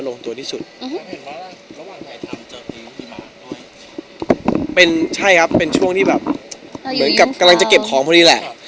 ใช่ครับเป็นช่วงที่แบบกำลังจะเก็บของพอดีแหละ